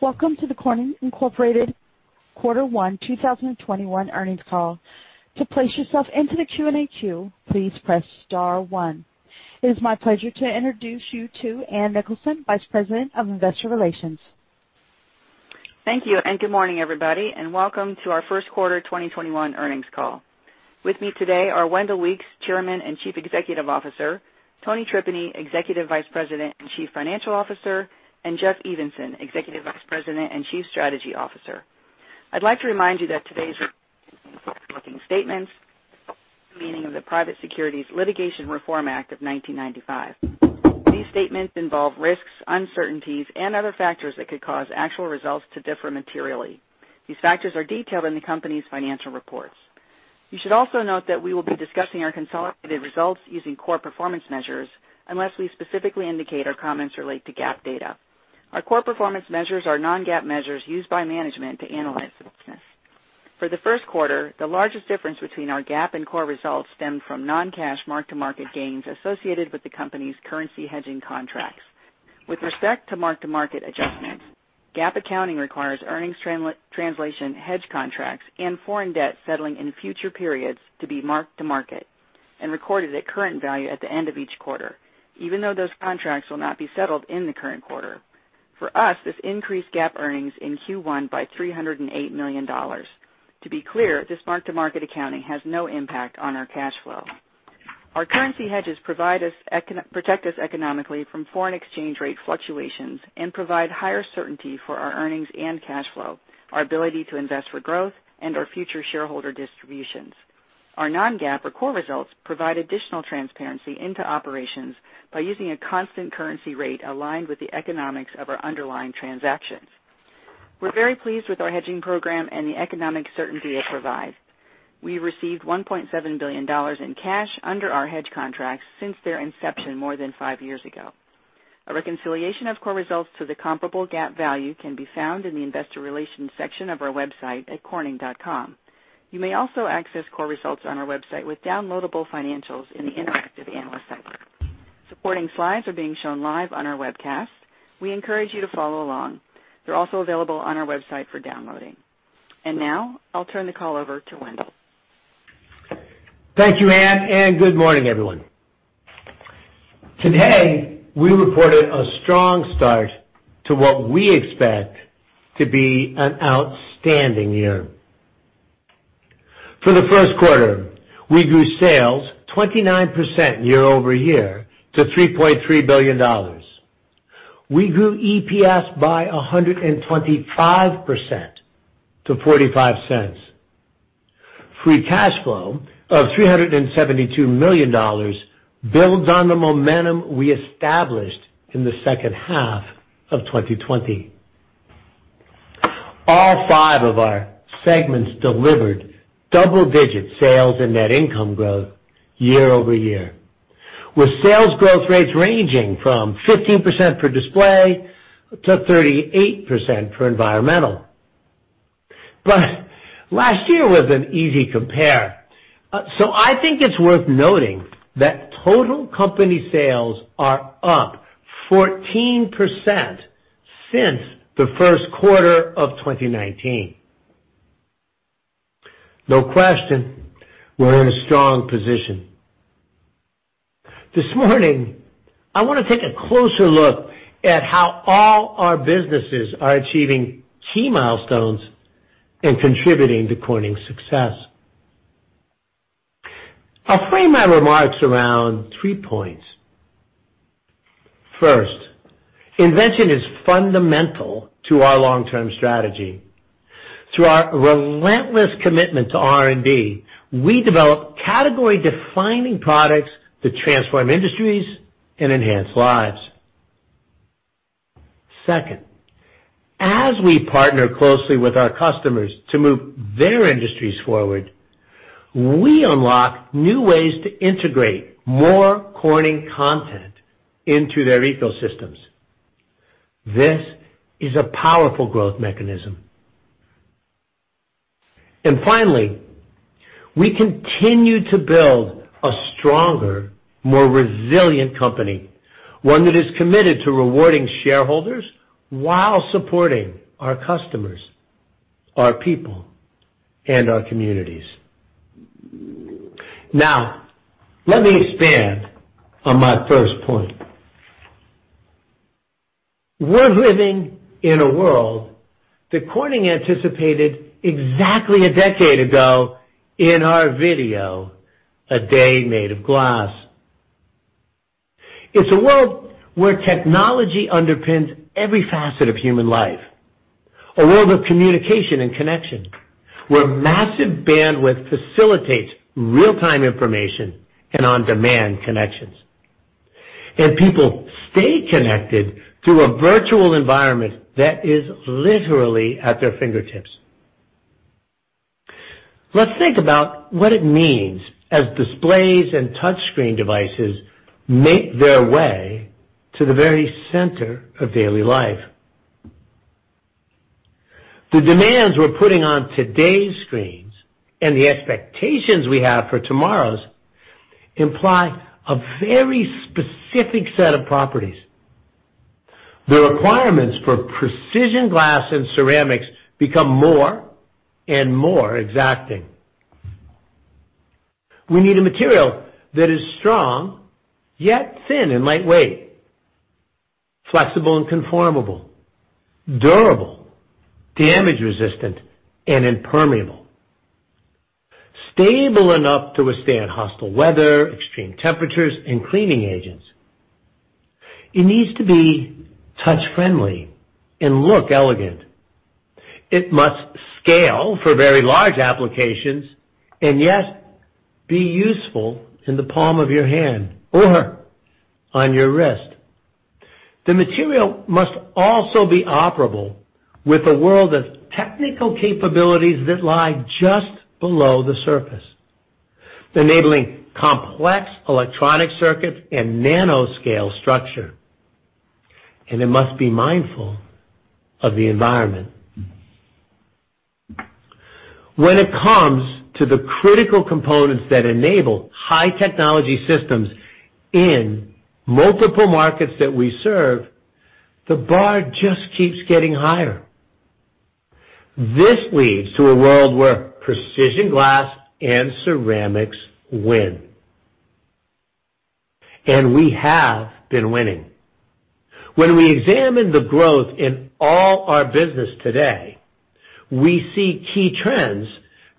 Welcome to the Corning Incorporated quarter one 2021 earnings call. To place yourself in the Q&A queue, please press star one. It is my pleasure to introduce you to Ann Nicholson, Vice President of Investor Relations. Thank you. Good morning, everybody. Welcome to our first quarter 2021 earnings call. With me today are Wendell Weeks, Chairman and Chief Executive Officer, Tony Tripeny, Executive Vice President and Chief Financial Officer, Jeff Evenson, Executive Vice President and Chief Strategy Officer. I'd like to remind you that today's statements meaning of the Private Securities Litigation Reform Act of 1995. These statements involve risks, uncertainties, and other factors that could cause actual results to differ materially. These factors are detailed in the company's financial reports. You should also note that we will be discussing our consolidated results using core performance measures, unless we specifically indicate our comments relate to GAAP data. Our core performance measures are non-GAAP measures used by management to analyze the business. For the first quarter, the largest difference between our GAAP and core results stemmed from non-cash mark-to-market gains associated with the company's currency hedging contracts. With respect to mark-to-market adjustments, GAAP accounting requires earnings translation hedge contracts and foreign debt settling in future periods to be marked to market and recorded at current value at the end of each quarter, even though those contracts will not be settled in the current quarter. For us, this increased GAAP earnings in Q1 by $308 million. To be clear, this mark-to-market accounting has no impact on our cash flow. Our currency hedges protect us economically from foreign exchange rate fluctuations and provide higher certainty for our earnings and cash flow, our ability to invest for growth, and our future shareholder distributions. Our non-GAAP or core results provide additional transparency into operations by using a constant currency rate aligned with the economics of our underlying transactions. We're very pleased with our hedging program and the economic certainty it provides. We received $1.7 billion in cash under our hedge contracts since their inception more than five years ago. A reconciliation of core results to the comparable GAAP value can be found in the investor relations section of our website at corning.com. You may also access core results on our website with downloadable financials in the interactive analyst center. Supporting slides are being shown live on our webcast. We encourage you to follow along. They're also available on our website for downloading. Now, I'll turn the call over to Wendell. Thank you, Ann, and good morning, everyone. Today, we reported a strong start to what we expect to be an outstanding year. For the first quarter, we grew sales 29% year-over-year to $3.3 billion. We grew EPS by 125% to $0.45. Free cash flow of $372 million builds on the momentum we established in the second half of 2020. All five of our segments delivered double-digit sales and net income growth year-over-year, with sales growth rates ranging from 15% for Display to 38% for Environmental. Last year was an easy compare, so I think it's worth noting that total company sales are up 14% since the first quarter of 2019. No question, we're in a strong position. This morning, I want to take a closer look at how all our businesses are achieving key milestones and contributing to Corning's success. I'll frame my remarks around three points. First, invention is fundamental to our long-term strategy. Through our relentless commitment to R&D, we develop category-defining products that transform industries and enhance lives. Second, as we partner closely with our customers to move their industries forward, we unlock new ways to integrate more Corning content into their ecosystems. This is a powerful growth mechanism. Finally, we continue to build a stronger, more resilient company, one that is committed to rewarding shareholders while supporting our customers, our people, and our communities. Now, let me expand on my first point. We're living in a world that Corning anticipated exactly a decade ago in our video, "A Day Made of Glass." It's a world where technology underpins every facet of human life, a world of communication and connection, where massive bandwidth facilitates real-time information and on-demand connections, and people stay connected through a virtual environment that is literally at their fingertips. Let's think about what it means as displays and touchscreen devices make their way to the very center of daily life. The demands we're putting on today's screens and the expectations we have for tomorrow's imply a very specific set of properties. The requirements for precision glass and ceramics become more and more exacting. We need a material that is strong, yet thin and lightweight, flexible and conformable, durable, damage-resistant, and impermeable. Stable enough to withstand hostile weather, extreme temperatures, and cleaning agents. It needs to be touch-friendly and look elegant. It must scale for very large applications and yet be useful in the palm of your hand or on your wrist. The material must also be operable with a world of technical capabilities that lie just below the surface, enabling complex electronic circuits and nanoscale structure. It must be mindful of the environment. When it comes to the critical components that enable high-technology systems in multiple markets that we serve, the bar just keeps getting higher. This leads to a world where precision glass and ceramics win, and we have been winning. When we examine the growth in all our business today, we see key trends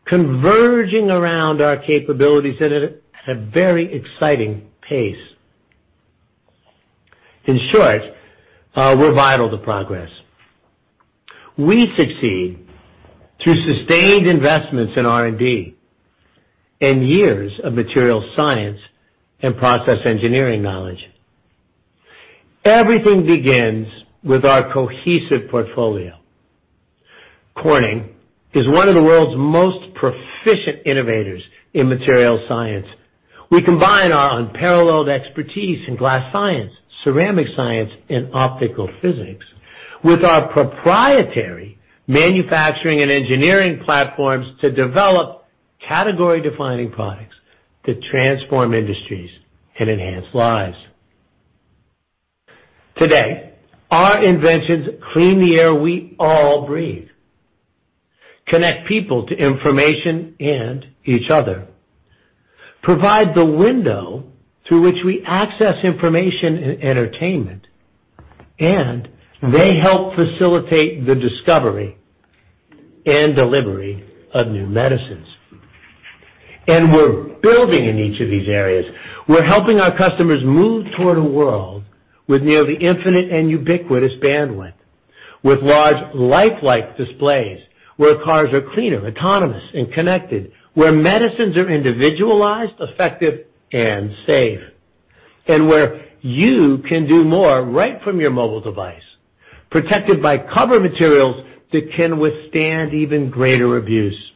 converging around our capabilities at a very exciting pace. In short, we're vital to progress. We succeed through sustained investments in R&D and years of material science and process engineering knowledge. Everything begins with our cohesive portfolio. Corning is one of the world's most proficient innovators in materials science. We combine our unparalleled expertise in glass science, ceramic science, and optical physics with our proprietary manufacturing and engineering platforms to develop category-defining products that transform industries and enhance lives. Today, our inventions clean the air we all breathe, connect people to information and each other, provide the window through which we access information and entertainment, and they help facilitate the discovery and delivery of new medicines. We're building in each of these areas. We're helping our customers move toward a world with nearly infinite and ubiquitous bandwidth, with large lifelike displays, where cars are cleaner, autonomous, and connected, where medicines are individualized, effective, and safe, and where you can do more right from your mobile device, protected by cover materials that can withstand even greater abuse.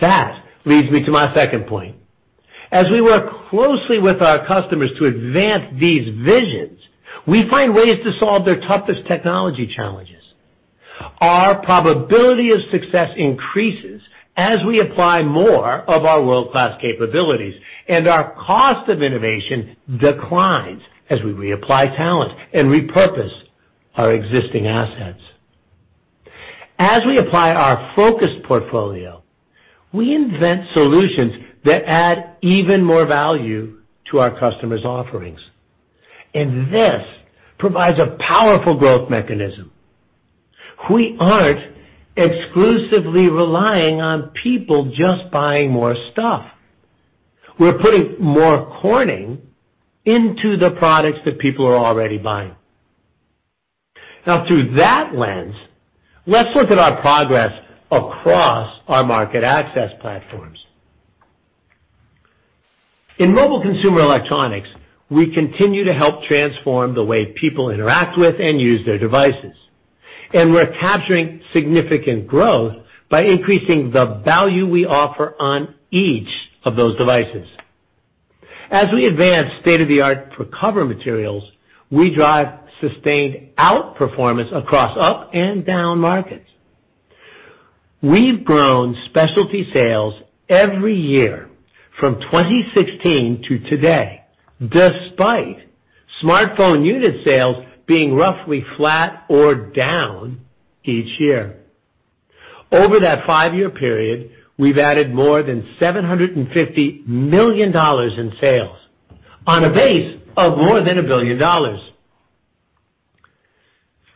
That leads me to my second point. As we work closely with our customers to advance these visions, we find ways to solve their toughest technology challenges. Our probability of success increases as we apply more of our world-class capabilities, and our cost of innovation declines as we reapply talent and repurpose our existing assets. As we apply our focused portfolio, we invent solutions that add even more value to our customers' offerings, and this provides a powerful growth mechanism. We aren't exclusively relying on people just buying more stuff. We're putting more Corning into the products that people are already buying. Now through that lens, let's look at our progress across our market access platforms. In mobile consumer electronics, we continue to help transform the way people interact with and use their devices, and we're capturing significant growth by increasing the value we offer on each of those devices. As we advance state-of-the-art for cover materials, we drive sustained outperformance across up and down markets. We've grown Specialty sales every year from 2016 to today, despite smartphone unit sales being roughly flat or down each year. Over that five-year period, we've added more than $750 million in sales on a base of more than $1 billion.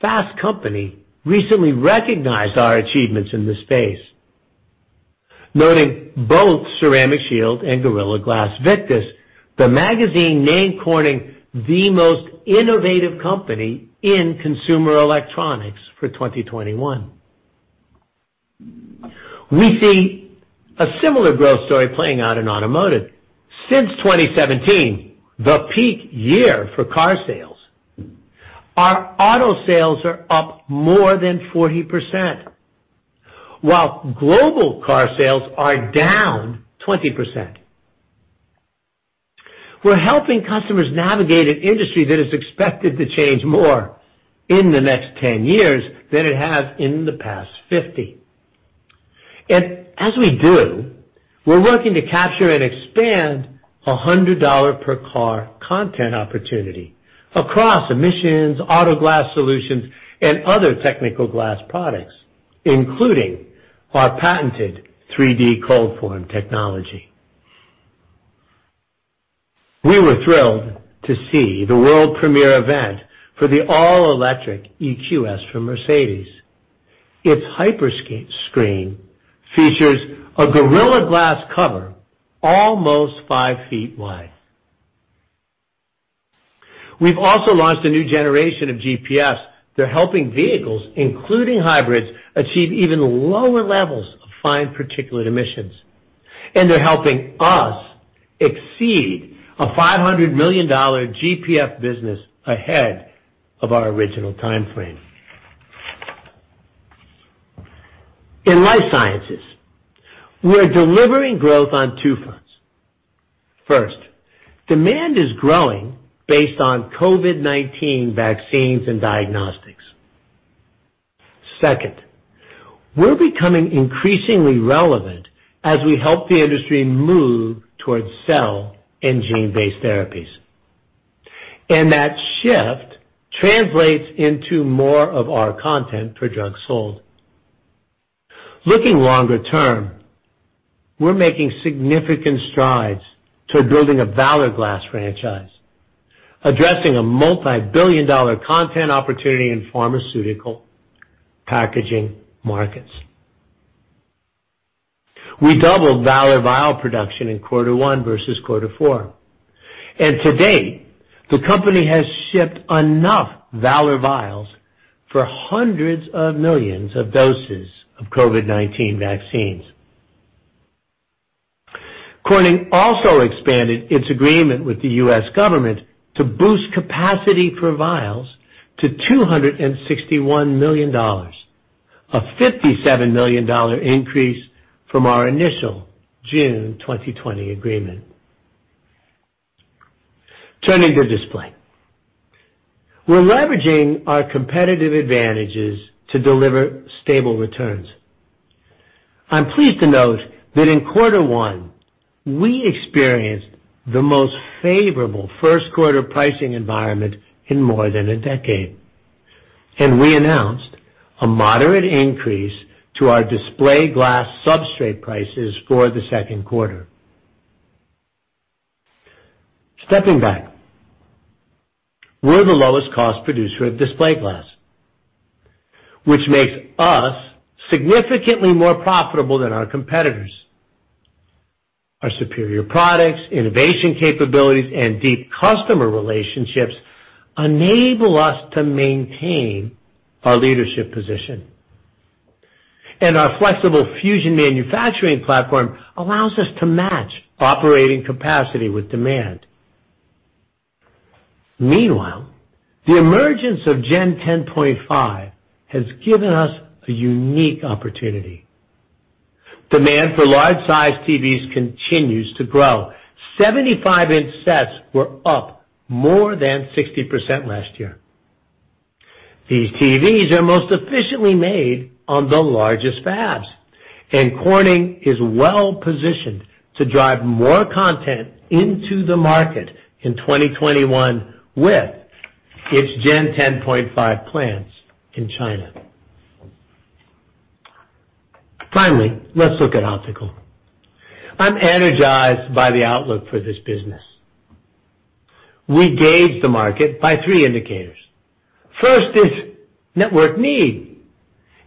Fast Company recently recognized our achievements in this space. Noting both Ceramic Shield and Gorilla Glass Victus, the magazine named Corning the most innovative company in consumer electronics for 2021. We see a similar growth story playing out in automotive. Since 2017, the peak year for car sales, our auto sales are up more than 40%, while global car sales are down 20%. We're helping customers navigate an industry that is expected to change more in the next 10 years than it has in the past 50. As we do, we're working to capture and expand $100 per car content opportunity across emissions, auto glass solutions, and other technical glass products, including our patented 3D ColdForm technology. We were thrilled to see the world premiere event for the all-electric EQS from Mercedes. Its Hyperscreen features a Gorilla Glass cover almost 5 ft wide. We've also launched a new generation of GPFs. They're helping vehicles, including hybrids, achieve even lower levels of fine particulate emissions. They're helping us exceed a $500 million GPF business ahead of our original timeframe. In life sciences, we're delivering growth on two fronts. First, demand is growing based on COVID-19 vaccines and diagnostics. Second, we're becoming increasingly relevant as we help the industry move towards cell and gene-based therapies. That shift translates into more of our content per drug sold. Looking longer term, we're making significant strides to building a Valor Glass franchise, addressing a multi-billion-dollar content opportunity in pharmaceutical packaging markets. We doubled Valor vial production in quarter one versus quarter four, and to date, the company has shipped enough Valor vials for hundreds of millions of doses of COVID-19 vaccines. Corning also expanded its agreement with the U.S. government to boost capacity for vials to $261 million, a $57 million increase from our initial June 2020 agreement. Turning to display. Were leveraging our competitive advantages to deliver stable returns. I'm pleased to note that in quarter one, we experienced the most favorable first quarter pricing environment in more than a decade, and we announced a moderate increase to our display glass substrate prices for the second quarter. Stepping back, we're the lowest cost producer of display glass, which makes us significantly more profitable than our competitors. Our superior products, innovation capabilities, and deep customer relationships enable us to maintain our leadership position. Our flexible Fusion manufacturing platform allows us to match operating capacity with demand. Meanwhile, the emergence of Gen 10.5 has given us a unique opportunity. Demand for large-sized TVs continues to grow. 75-inch sets were up more than 60% last year. These TVs are most efficiently made on the largest fabs, and Corning is well-positioned to drive more content into the market in 2021 with its Gen 10.5 plants in China. Finally, let's look at optical. I'm energized by the outlook for this business. We gauge the market by three indicators. First is network need.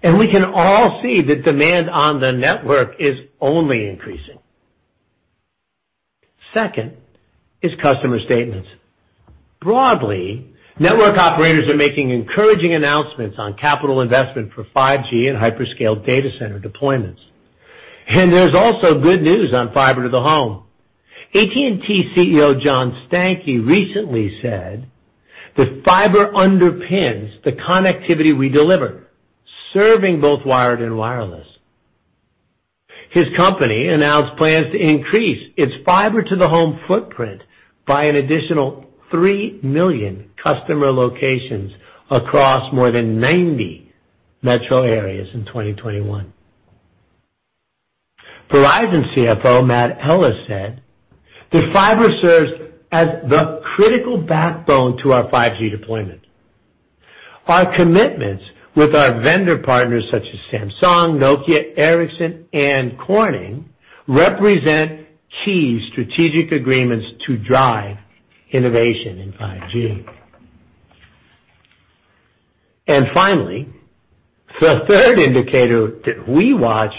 We can all see that demand on the network is only increasing. Second is customer statements. Broadly, network operators are making encouraging announcements on capital investment for 5G and hyperscale data center deployments. There's also good news on fiber to the home. AT&T CEO John Stankey recently said that, "Fiber underpins the connectivity we deliver, serving both wired and wireless." His company announced plans to increase its fiber to the home footprint by an additional 3 million customer locations across more than 90 metro areas in 2021. Verizon CFO Matt Ellis said that, "Fiber serves as the critical backbone to our 5G deployment. Our commitments with our vendor partners such as Samsung, Nokia, Ericsson, and Corning represent key strategic agreements to drive innovation in 5G." Finally, the third indicator that we watch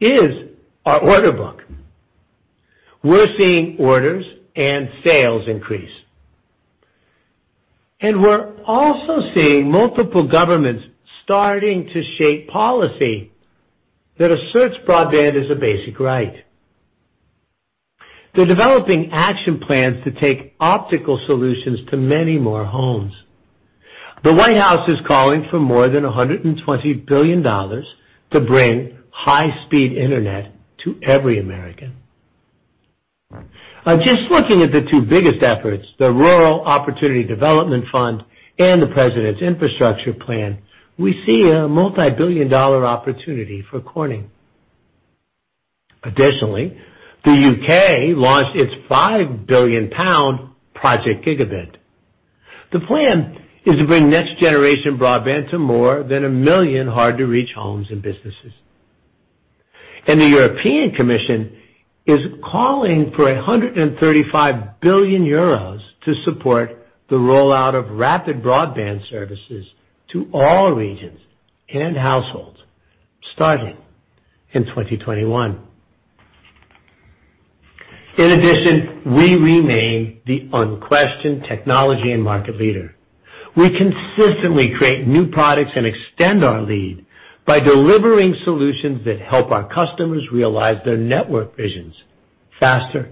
is our order book. We're seeing orders and sales increase. We're also seeing multiple governments starting to shape policy that asserts broadband as a basic right. They're developing action plans to take optical solutions to many more homes. The White House is calling for more than $120 billion to bring high-speed internet to every American. Just looking at the two biggest efforts, the Rural Digital Opportunity Fund and the President's infrastructure plan, we see a multibillion-dollar opportunity for Corning. Additionally, the U.K. launched its 5 billion pound Project Gigabit. The plan is to bring next-generation broadband to more than a million hard-to-reach homes and businesses. The European Commission is calling for 135 billion euros to support the rollout of rapid broadband services to all regions and households starting in 2021. In addition, we remain the unquestioned technology and market leader. We consistently create new products and extend our lead by delivering solutions that help our customers realize their network visions faster,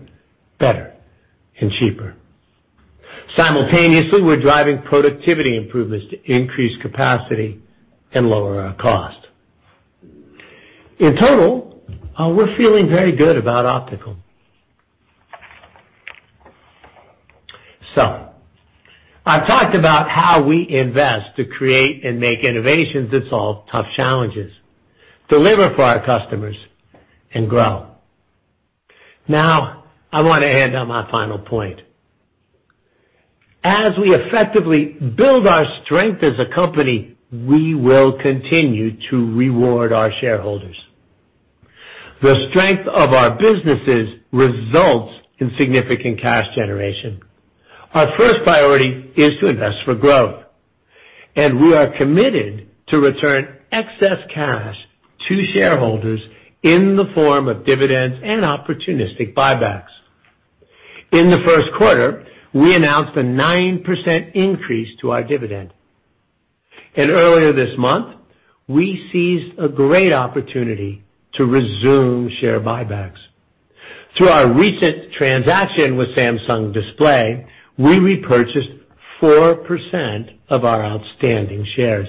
better, and cheaper. Simultaneously, we're driving productivity improvements to increase capacity and lower our cost. In total, we're feeling very good about optical. I've talked about how we invest to create and make innovations that solve tough challenges, deliver for our customers, and grow. I want to end on my final point. As we effectively build our strength as a company, we will continue to reward our shareholders. The strength of our businesses results in significant cash generation. Our first priority is to invest for growth, and we are committed to return excess cash to shareholders in the form of dividends and opportunistic buybacks. In the first quarter, we announced a 9% increase to our dividend. Earlier this month, we seized a great opportunity to resume share buybacks. Through our recent transaction with Samsung Display, we repurchased 4% of our outstanding shares.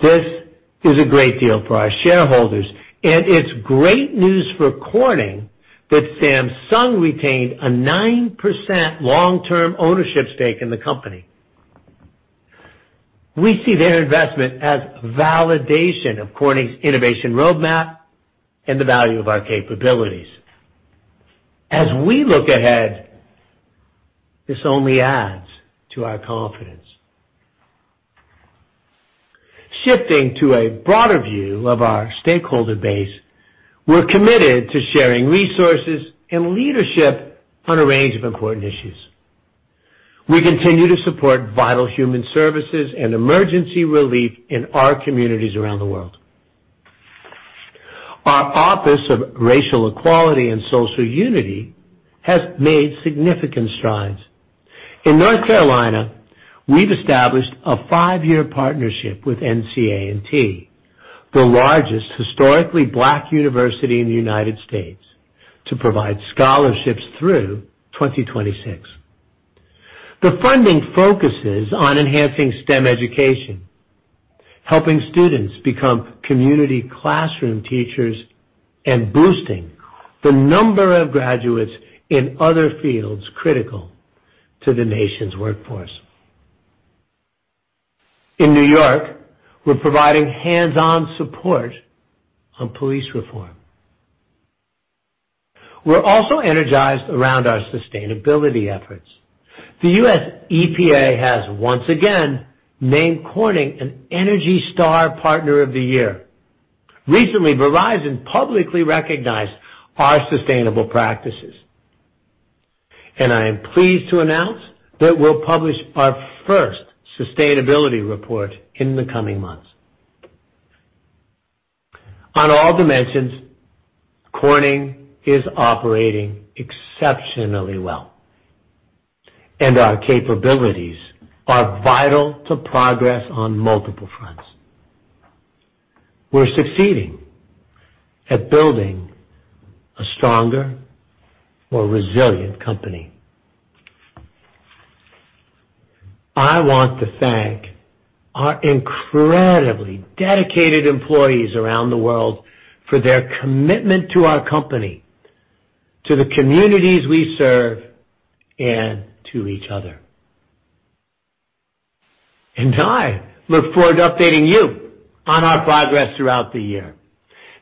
This is a great deal for our shareholders, and it's great news for Corning that Samsung retained a 9% long-term ownership stake in the company. We see their investment as validation of Corning's innovation roadmap and the value of our capabilities. As we look ahead, this only adds to our confidence. Shifting to a broader view of our stakeholder base, we're committed to sharing resources and leadership on a range of important issues. We continue to support vital human services and emergency relief in our communities around the world. Our Office of Racial Equality and Social Unity has made significant strides. In North Carolina, we've established a five-year partnership with N.C. A&T, the largest historically Black university in the United States, to provide scholarships through 2026. The funding focuses on enhancing STEM education, helping students become community classroom teachers, and boosting the number of graduates in other fields critical to the nation's workforce. In New York, we're providing hands-on support on police reform. We're also energized around our sustainability efforts. The U.S. EPA has once again named Corning an ENERGY STAR Partner of the Year. Recently, Verizon publicly recognized our sustainable practices, and I am pleased to announce that we'll publish our first sustainability report in the coming months. On all dimensions, Corning is operating exceptionally well, and our capabilities are vital to progress on multiple fronts. We're succeeding at building a stronger, more resilient company. I want to thank our incredibly dedicated employees around the world for their commitment to our company, to the communities we serve, and to each other. I look forward to updating you on our progress throughout the year.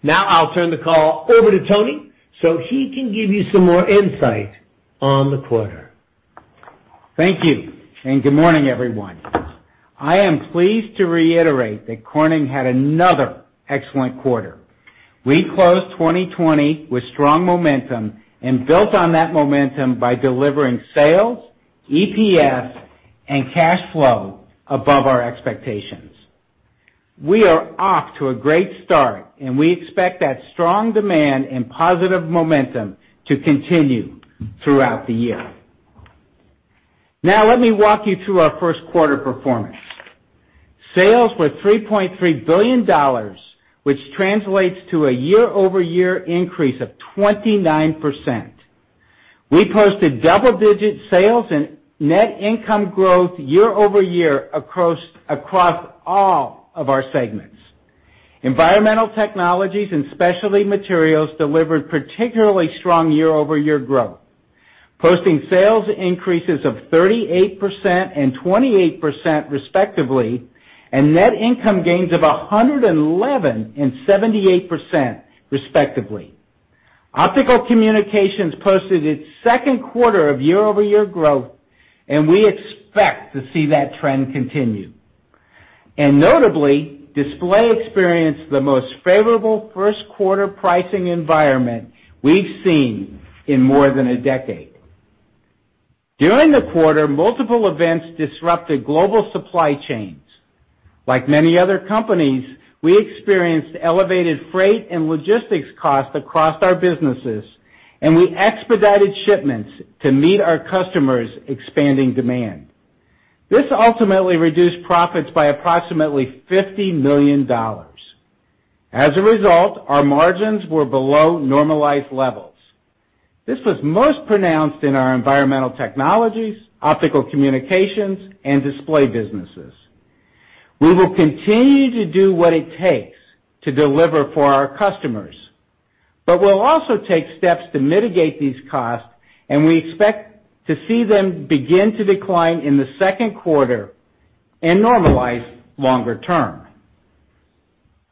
I'll turn the call over to Tony so he can give you some more insight on the quarter. Thank you, and good morning, everyone. I am pleased to reiterate that Corning had another excellent quarter. We closed 2020 with strong momentum and built on that momentum by delivering sales, EPS, and cash flow above our expectations. We are off to a great start, and we expect that strong demand and positive momentum to continue throughout the year. Now, let me walk you through our first quarter performance. Sales were $3.3 billion, which translates to a year-over-year increase of 29%. We posted double-digit sales and net income growth year-over-year across all of our segments. Environmental Technologies and Specialty Materials delivered particularly strong year-over-year growth, posting sales increases of 38% and 28%, respectively, and net income gains of 111% and 78%, respectively. Optical Communications posted its second quarter of year-over-year growth, and we expect to see that trend continue. Notably, Display experienced the most favorable first quarter pricing environment we've seen in more than a decade. During the quarter, multiple events disrupted global supply chains. Like many other companies, we experienced elevated freight and logistics costs across our businesses, and we expedited shipments to meet our customers' expanding demand. This ultimately reduced profits by approximately $50 million. As a result, our margins were below normalized levels. This was most pronounced in our Environmental Technologies, Optical Communications, and Display businesses. We will continue to do what it takes to deliver for our customers, but we'll also take steps to mitigate these costs, and we expect to see them begin to decline in the second quarter and normalize longer term.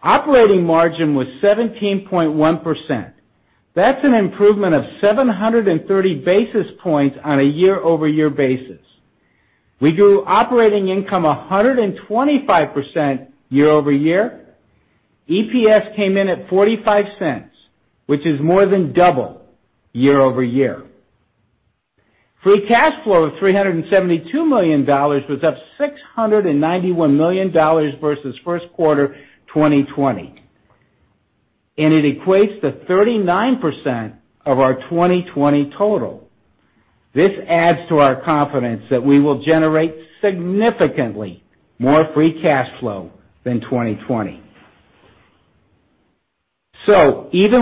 Operating margin was 17.1%. That's an improvement of 730 basis points on a year-over-year basis. We grew operating income 125% year-over-year. EPS came in at $0.45, which is more than double year-over-year. Free cash flow of $372 million was up $691 million versus first quarter 2020. It equates to 39% of our 2020 total. Even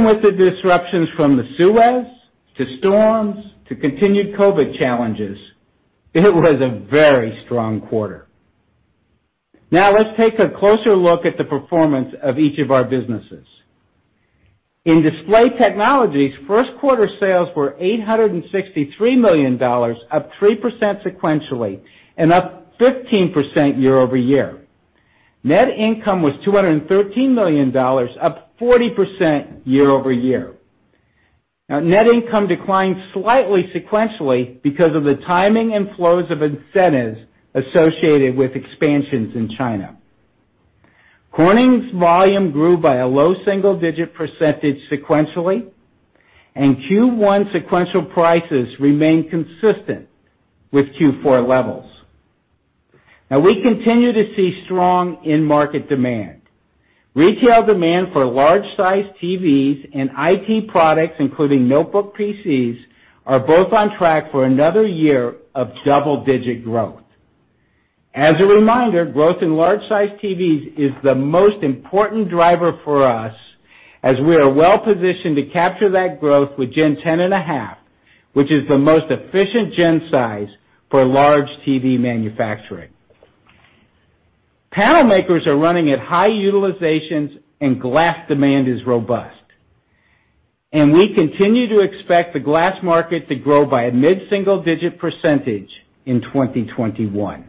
with the disruptions from the Suez to storms to continued COVID challenges, it was a very strong quarter. Let's take a closer look at the performance of each of our businesses. In Display Technologies, first quarter sales were $863 million, up 3% sequentially. Up 15% year-over-year. Net income was $213 million, up 40% year-over-year. Net income declined slightly sequentially because of the timing and flows of incentives associated with expansions in China. Corning's volume grew by a low single-digit percentage sequentially. Q1 sequential prices remained consistent with Q4 levels. Now we continue to see strong end market demand. Retail demand for large-sized TVs and IT products, including notebook PCs, are both on track for another year of double-digit growth. As a reminder, growth in large-sized TVs is the most important driver for us, as we are well-positioned to capture that growth with Gen 10.5, which is the most efficient Gen size for large TV manufacturing. Panel makers are running at high utilizations and glass demand is robust, and we continue to expect the glass market to grow by a mid-single digit percentage in 2021.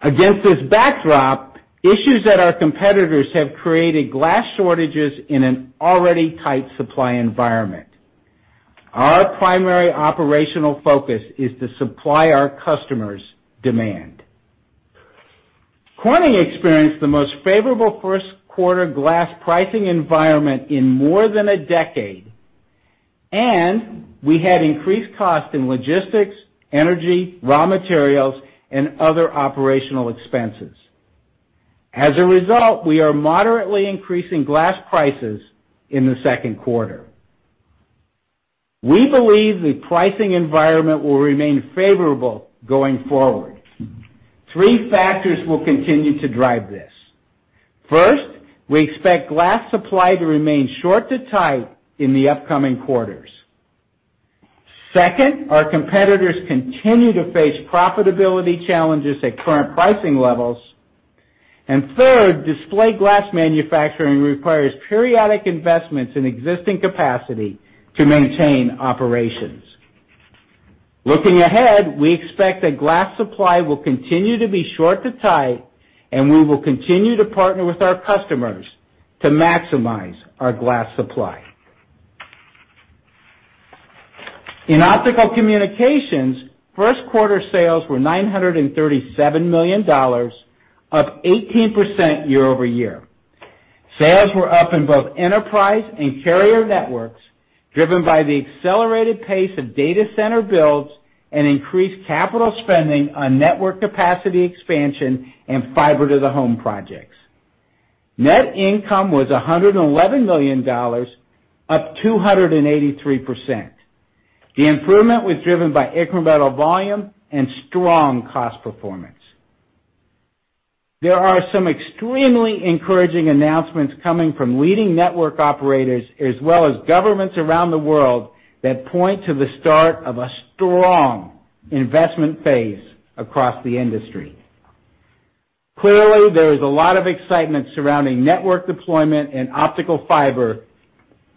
Against this backdrop, issues at our competitors have created glass shortages in an already tight supply environment. Our primary operational focus is to supply our customers' demand. Corning experienced the most favorable first quarter glass pricing environment in more than a decade, and we had increased cost in logistics, energy, raw materials, and other operational expenses. As a result, we are moderately increasing glass prices in the second quarter. We believe the pricing environment will remain favorable going forward. Three factors will continue to drive this. First, we expect glass supply to remain short to tight in the upcoming quarters. Second, our competitors continue to face profitability challenges at current pricing levels. Third, display glass manufacturing requires periodic investments in existing capacity to maintain operations. Looking ahead, we expect that glass supply will continue to be short to tight, and we will continue to partner with our customers to maximize our glass supply. In Optical Communications, first quarter sales were $937 million, up 18% year-over-year. Sales were up in both enterprise and carrier networks, driven by the accelerated pace of data center builds and increased capital spending on network capacity expansion and fiber-to-the-home projects. Net income was $111 million, up 283%. The improvement was driven by incremental volume and strong cost performance. There are some extremely encouraging announcements coming from leading network operators, as well as governments around the world, that point to the start of a strong investment phase across the industry. Clearly, there is a lot of excitement surrounding network deployment and optical fiber's role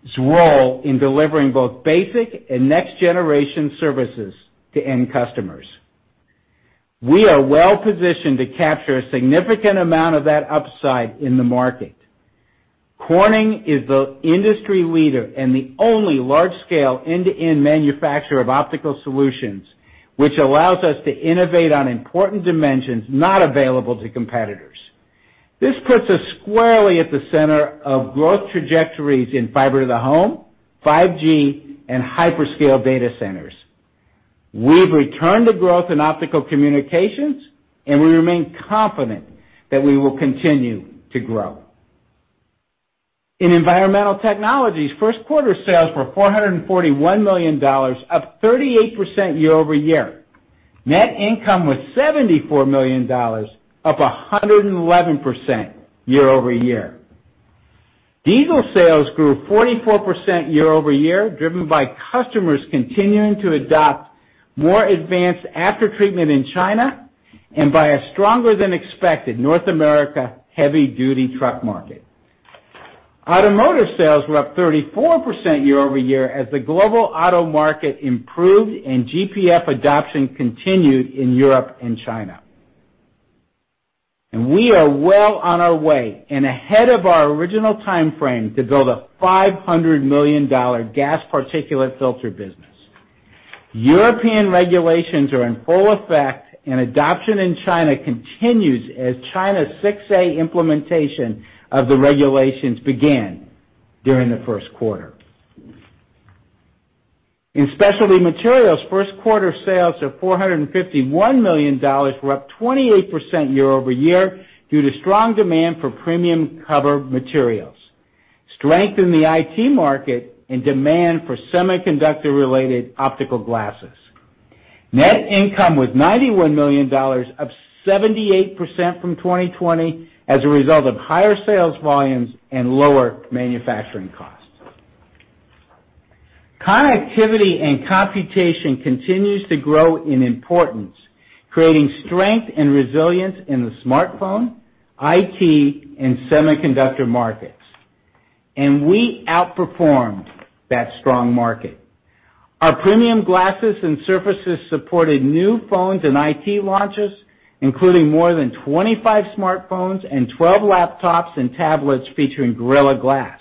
in delivering both basic and next-generation services to end customers. We are well-positioned to capture a significant amount of that upside in the market. Corning is the industry leader and the only large-scale end-to-end manufacturer of optical solutions, which allows us to innovate on important dimensions not available to competitors. This puts us squarely at the center of growth trajectories in fiber to the home, 5G, and hyperscale data centers. We've returned to growth in Optical Communications, and we remain confident that we will continue to grow. In Environmental Technologies, first quarter sales were $441 million, up 38% year-over-year. Net income was $74 million, up 111% year-over-year. Diesel sales grew 44% year-over-year, driven by customers continuing to adopt more advanced after-treatment in China, and by a stronger than expected North America heavy-duty truck market. Automotive sales were up 34% year-over-year, as the global auto market improved and GPF adoption continued in Europe and China. We are well on our way and ahead of our original time frame to build a $500 million gas particulate filter business. European regulations are in full effect, adoption in China continues as China's 6a implementation of the regulations began during the first quarter. In Specialty Materials, first quarter sales of $451 million were up 28% year-over-year due to strong demand for premium cover materials, strength in the IT market, and demand for semiconductor-related optical glasses. Net income was $91 million, up 78% from 2020, as a result of higher sales volumes and lower manufacturing costs. Connectivity and computation continues to grow in importance, creating strength and resilience in the smartphone, IT, and semiconductor markets. We outperformed that strong market. Our premium glasses and surfaces supported new phones and IT launches, including more than 25 smartphones and 12 laptops and tablets featuring Gorilla Glass.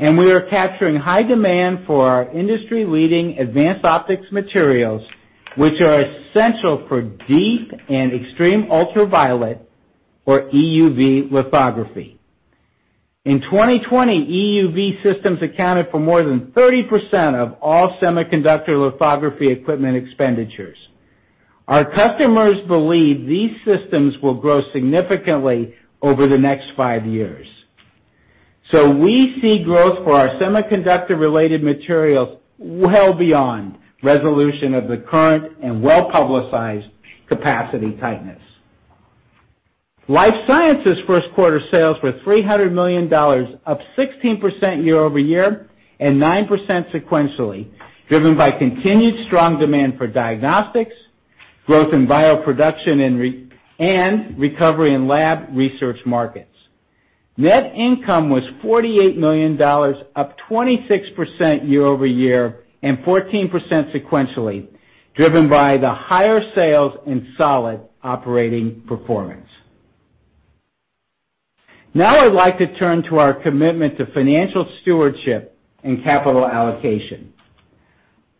We are capturing high demand for our industry-leading advanced optics materials, which are essential for deep and extreme ultraviolet, or EUV, lithography. In 2020, EUV systems accounted for more than 30% of all semiconductor lithography equipment expenditures. Our customers believe these systems will grow significantly over the next five years. We see growth for our semiconductor-related materials well beyond resolution of the current and well-publicized capacity tightness. Life Sciences first quarter sales were $300 million, up 16% year-over-year and 9% sequentially, driven by continued strong demand for diagnostics, growth in bioproduction and recovery in lab research markets. Net income was $48 million, up 26% year-over-year and 14% sequentially, driven by the higher sales and solid operating performance. I'd like to turn to our commitment to financial stewardship and capital allocation.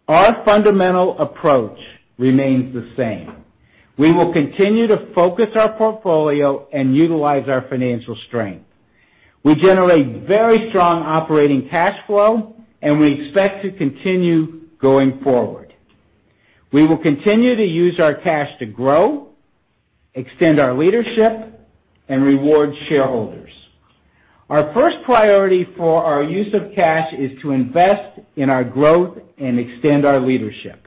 Our fundamental approach remains the same. We will continue to focus our portfolio and utilize our financial strength. We generate very strong operating cash flow, and we expect to continue going forward. We will continue to use our cash to grow, extend our leadership, and reward shareholders. Our first priority for our use of cash is to invest in our growth and extend our leadership.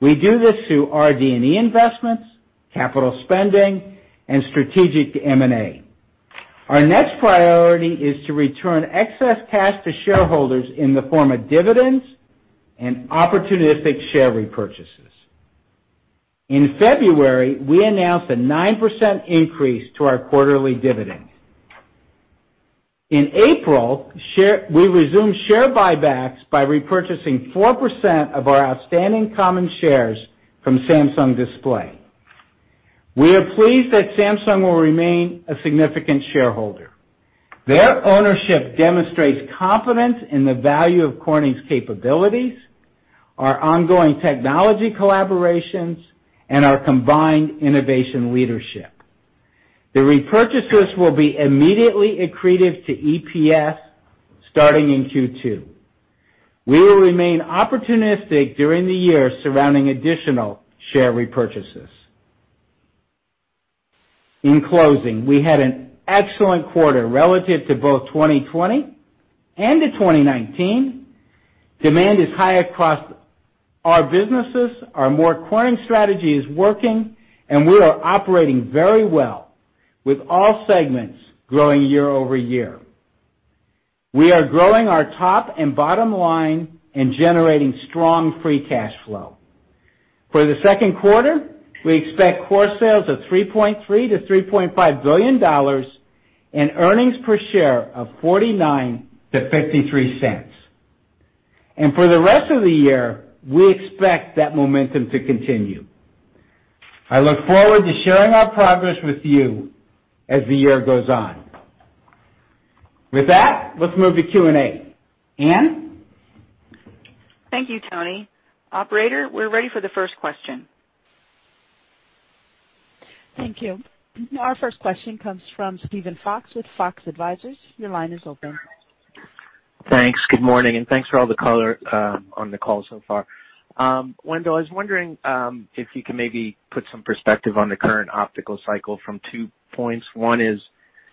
We do this through RD&E investments, capital spending, and strategic M&A. Our next priority is to return excess cash to shareholders in the form of dividends and opportunistic share repurchases. In February, we announced a 9% increase to our quarterly dividend. In April, we resumed share buybacks by repurchasing 4% of our outstanding common shares from Samsung Display. We are pleased that Samsung will remain a significant shareholder. Their ownership demonstrates confidence in the value of Corning's capabilities, our ongoing technology collaborations, and our combined innovation leadership. The repurchases will be immediately accretive to EPS starting in Q2. We will remain opportunistic during the year surrounding additional share repurchases. In closing, we had an excellent quarter relative to both 2020 and to 2019. Demand is high across our businesses. Our more Corning strategy is working, and we are operating very well with all segments growing year-over-year. We are growing our top and bottom line and generating strong free cash flow. For the second quarter, we expect core sales of $3.3 billion-$3.5 billion and earnings per share of $0.49-$0.53. For the rest of the year, we expect that momentum to continue. I look forward to sharing our progress with you as the year goes on. With that, let's move to Q&A. Ann? Thank you, Tony. Operator, we're ready for the first question. Thank you. Our first question comes from Steven Fox with Fox Advisors. Your line is open. Thanks. Good morning, and thanks for all the color on the call so far. Wendell, I was wondering if you can maybe put some perspective on the current optical cycle from two points. One is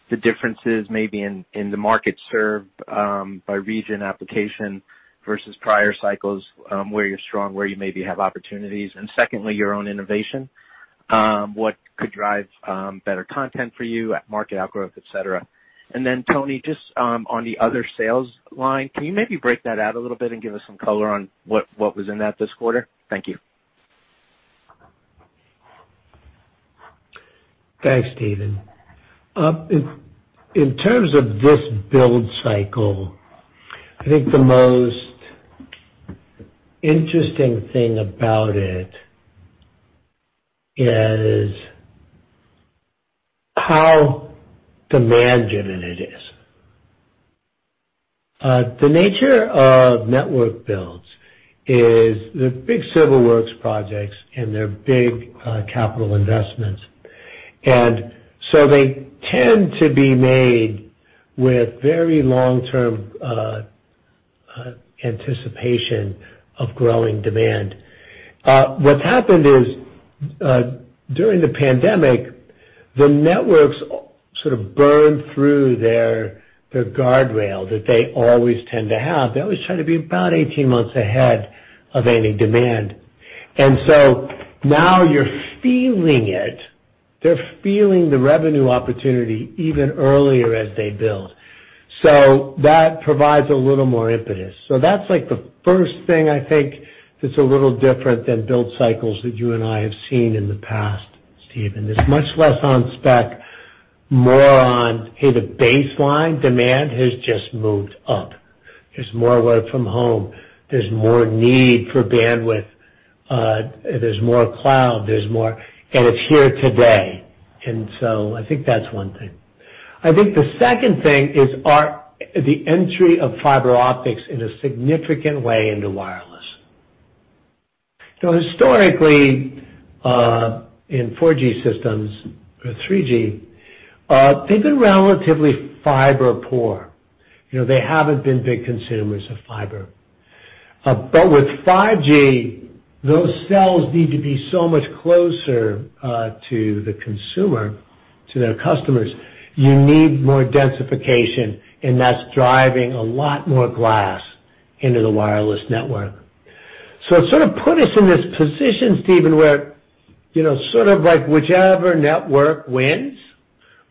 the differences maybe in the market served by region application versus prior cycles, where you're strong, where you maybe have opportunities. Secondly, your own innovation, what could drive better content for you at market outgrowth, et cetera? Then Tony, just on the other sales line, can you maybe break that out a little bit and give us some color on what was in that this quarter? Thank you. Thanks, Steven. In terms of this build cycle, I think the most interesting thing about it is how demand-driven it is. The nature of network builds is they're big civil works projects, and they're big capital investments. They tend to be made with very long-term anticipation of growing demand. What's happened is, during the pandemic, the networks sort of burned through their guardrail that they always tend to have. They always try to be about 18 months ahead of any demand. Now you're feeling it. They're feeling the revenue opportunity even earlier as they build. That provides a little more impetus. That's the first thing I think that's a little different than build cycles that you and I have seen in the past, Steven. There's much less on spec, more on, hey, the baseline demand has just moved up. There's more work from home. There's more need for bandwidth. There's more cloud. It's here today. I think that's one thing. I think the second thing is the entry of fiber optics in a significant way into wireless. Historically, in 4G systems or 3G, they've been relatively fiber-poor. They haven't been big consumers of fiber. With 5G, those cells need to be so much closer to the consumer, to their customers. You need more densification, and that's driving a lot more glass into the wireless network. It sort of put us in this position, Steven, where whichever network wins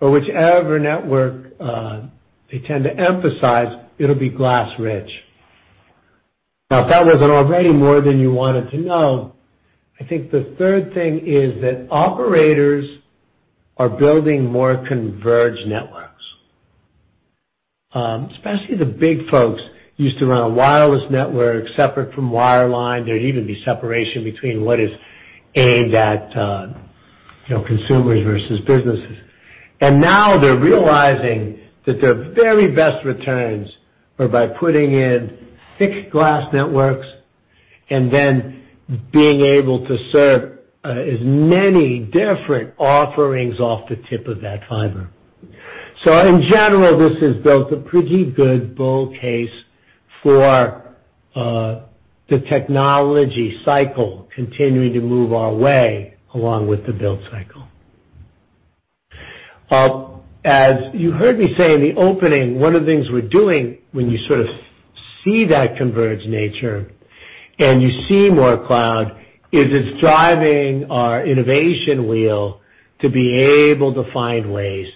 or whichever network they tend to emphasize, it'll be glass rich. If that wasn't already more than you wanted to know, I think the third thing is that operators are building more converged networks. Especially the big folks used to run a wireless network separate from wireline. There'd even be separation between what is aimed at consumers versus businesses. Now they're realizing that their very best returns are by putting in thick glass networks and then being able to serve as many different offerings off the tip of that fiber. In general, this has built a pretty good bull case for the technology cycle continuing to move our way along with the build cycle. As you heard me say in the opening, one of the things we're doing when you sort of see that converged nature and you see more cloud, is it's driving our innovation wheel to be able to find ways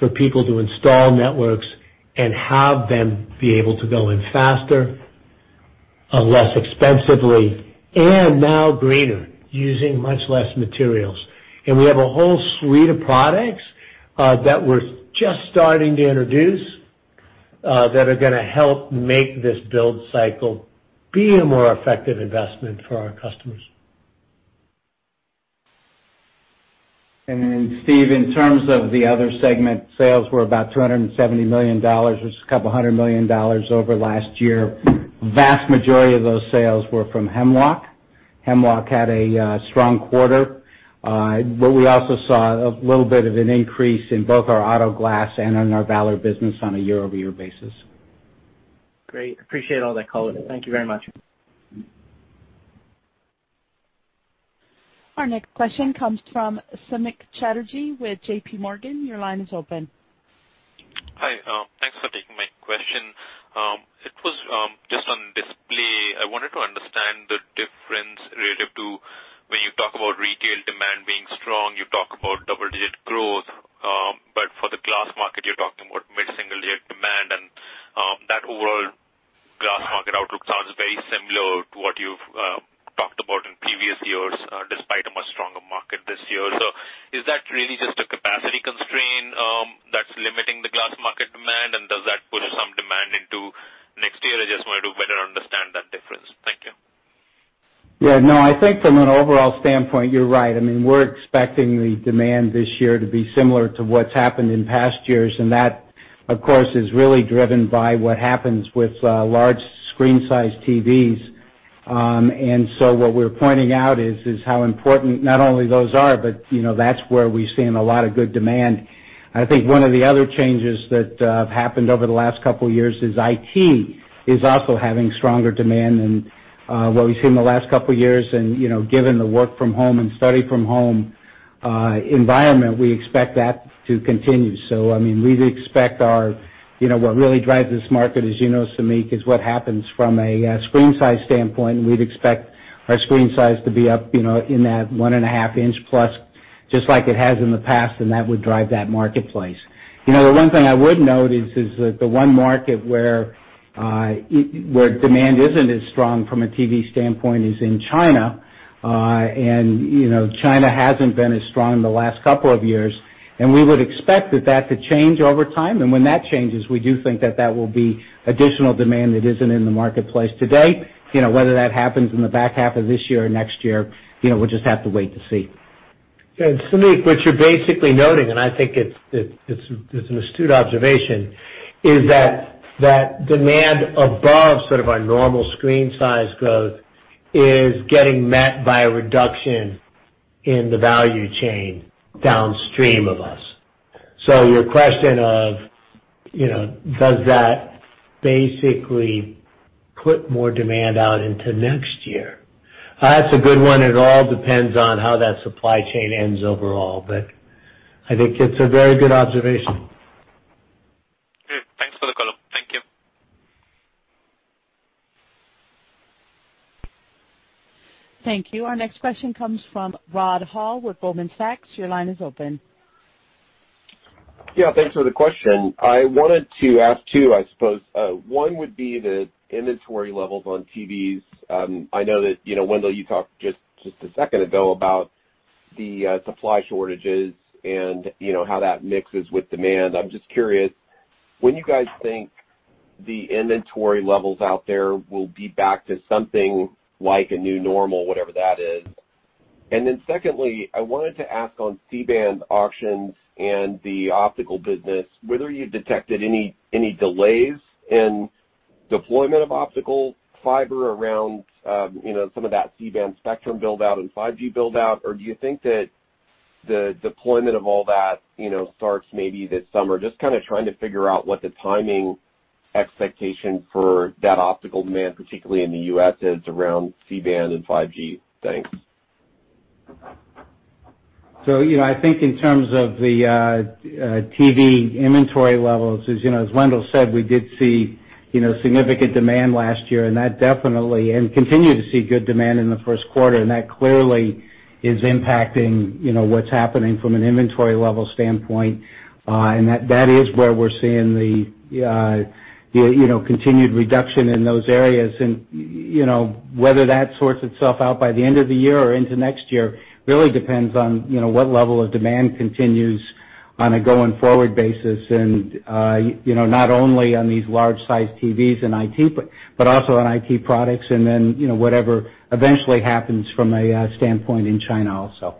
for people to install networks and have them be able to go in faster, less expensively, and now greener, using much less materials. We have a whole suite of products that we're just starting to introduce that are going to help make this build cycle be a more effective investment for our customers. Steve, in terms of the other segment, sales were about $270 million, which is a couple of $100 million over last year. Vast majority of those sales were from Hemlock. Hemlock had a strong quarter, but we also saw a little bit of an increase in both our auto glass and in our Valor business on a year-over-year basis. Great. Appreciate all that color. Thank you very much. Our next question comes from Samik Chatterjee with JPMorgan. Your line is open. Hi. Thanks for taking my question. It was just on display. I wanted to understand the difference relative to when you talk about retail demand being strong, you talk about double-digit growth. For the glass market, you're talking about mid-single-digit demand, and that overall glass market outlook sounds very similar to what you've talked about in previous years, despite a much stronger market this year. Is that really just a capacity constraint that's limiting the glass market demand, and does that push some demand into next year? I just wanted to better understand that difference. Thank you. Yeah, no, I think from an overall standpoint, you're right. We're expecting the demand this year to be similar to what's happened in past years. That, of course, is really driven by what happens with large screen size TVs. What we're pointing out is how important not only those are, but that's where we've seen a lot of good demand. I think one of the other changes that have happened over the last couple of years is IT is also having stronger demand than what we've seen in the last couple of years. Given the work from home and study from home environment, we expect that to continue. We expect what really drives this market, as you know, Samik, is what happens from a screen size standpoint, and we'd expect our screen size to be up in that 1.5 inch plus, just like it has in the past, and that would drive that marketplace. The one thing I would note is that the one market where demand isn't as strong from a TV standpoint is in China. China hasn't been as strong in the last couple of years, and we would expect that to change over time, and when that changes, we do think that that will be additional demand that isn't in the marketplace today. Whether that happens in the back half of this year or next year, we'll just have to wait to see. Samik, what you're basically noting, and I think it's an astute observation, is that demand above sort of our normal screen size growth is getting met by a reduction in the value chain downstream of us. Your question of does that basically put more demand out into next year? That's a good one. It all depends on how that supply chain ends overall, but I think it's a very good observation. Great. Thanks for the color. Thank you. Thank you. Our next question comes from Rod Hall with Goldman Sachs. Your line is open. Yeah, thanks for the question. I wanted to ask two, I suppose. One would be the inventory levels on TVs. I know that Wendell, you talked just a second ago about the supply shortages and how that mixes with demand. I'm just curious, when you guys think the inventory levels out there will be back to something like a new normal, whatever that is. Secondly, I wanted to ask on C-band auctions and the optical business, whether you detected any delays in deployment of optical fiber around some of that C-band spectrum build-out and 5G build-out, or do you think that the deployment of all that starts maybe this summer? Just kind of trying to figure out what the timing expectation for that optical demand, particularly in the U.S., is around C-band and 5G. Thanks. I think in terms of the TV inventory levels, as Wendell said, we did see significant demand last year, and continue to see good demand in the first quarter. That clearly is impacting what's happening from an inventory level standpoint. That is where we're seeing the continued reduction in those areas. Whether that sorts itself out by the end of the year or into next year really depends on what level of demand continues on a going forward basis, not only on these large size TVs and IT, but also on IT products and then whatever eventually happens from a standpoint in China also.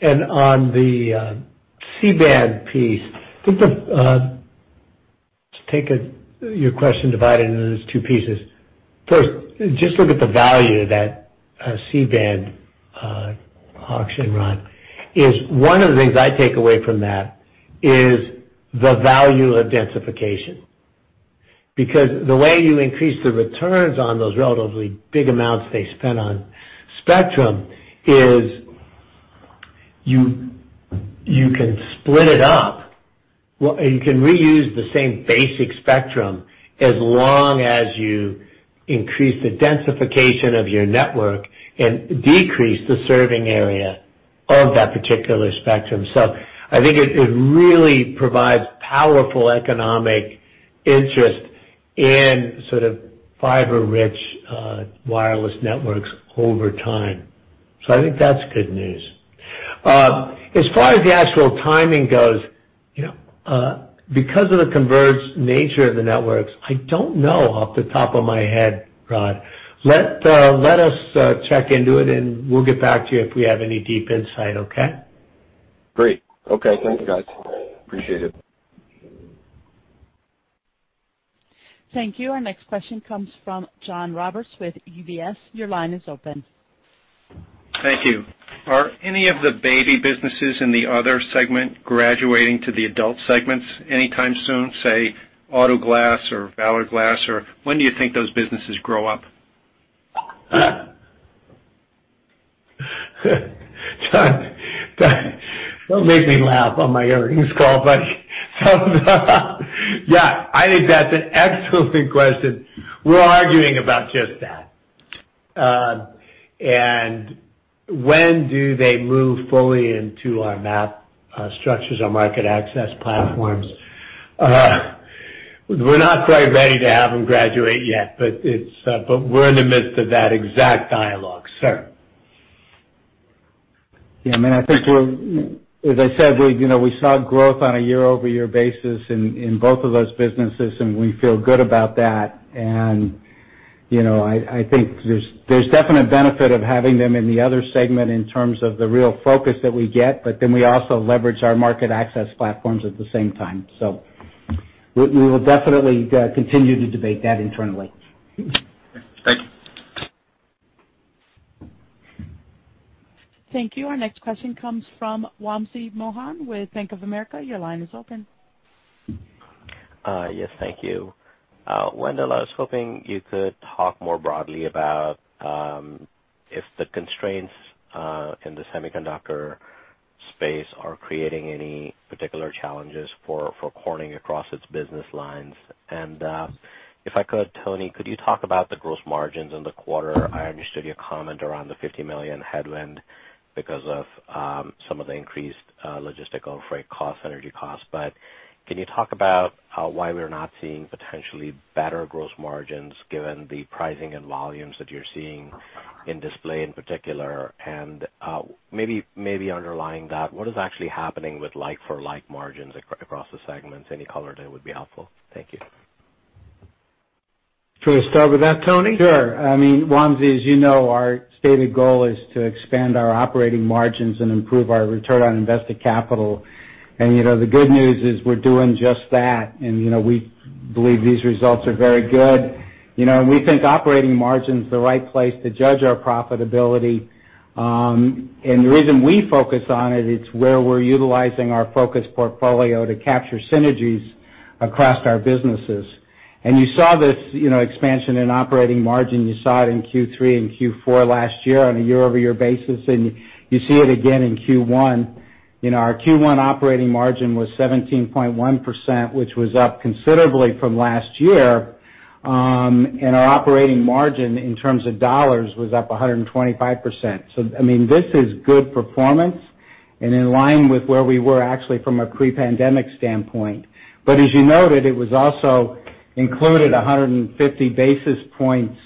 On the C-band piece, I think to take your question divided into those two pieces. First, just look at the value of that C-band auction run, is one of the things I take away from that is the value of densification. The way you increase the returns on those relatively big amounts they spent on spectrum is you can split it up, and you can reuse the same basic spectrum as long as you increase the densification of your network and decrease the serving area of that particular spectrum. I think it really provides powerful economic interest in sort of fiber-rich wireless networks over time. I think that's good news. As far as the actual timing goes, because of the converged nature of the networks, I don't know off the top of my head, Rod. Let us check into it, and we'll get back to you if we have any deep insight, okay? Great. Okay. Thank you, guys. Appreciate it. Thank you. Our next question comes from John Roberts with UBS. Your line is open. Thank you. Are any of the baby businesses in the other segment graduating to the adult segments anytime soon, say, auto glass or Valor Glass? When do you think those businesses grow up? John, don't make me laugh on my earnings call, buddy. Yeah, I think that's an excellent question. We're arguing about just that. When do they move fully into our MAP structures, our market access platforms? We're not quite ready to have them graduate yet, but we're in the midst of that exact dialogue, sir. Yeah, I think, as I said, we saw growth on a year-over-year basis in both of those businesses. We feel good about that. I think there's definite benefit of having them in the other segment in terms of the real focus that we get, but then we also leverage our market access platforms at the same time. We will definitely continue to debate that internally. Okay, thank you. Thank you. Our next question comes from Wamsi Mohan with Bank of America. Your line is open. Yes, thank you. Wendell, I was hoping you could talk more broadly about if the constraints in the semiconductor space are creating any particular challenges for Corning across its business lines. If I could, Tony, could you talk about the gross margins in the quarter? I understood your comment around the $50 million headwind because of some of the increased logistical freight costs, energy costs. Can you talk about why we're not seeing potentially better gross margins given the pricing and volumes that you're seeing in Display in particular? Maybe underlying that, what is actually happening with like-for-like margins across the segments? Any color there would be helpful. Thank you. Do you want to start with that, Tony? Sure. Wamsi, as you know, our stated goal is to expand our operating margins and improve our return on invested capital. The good news is we're doing just that, and we believe these results are very good. We think operating margin is the right place to judge our profitability. The reason we focus on it's where we're utilizing our focus portfolio to capture synergies across our businesses. You saw this expansion in operating margin. You saw it in Q3 and Q4 last year on a year-over-year basis, and you see it again in Q1. Our Q1 operating margin was 17.1%, which was up considerably from last year. Our operating margin in terms of dollars was up 125%. This is good performance and in line with where we were actually from a pre-pandemic standpoint. As you noted, it was also included 150 basis points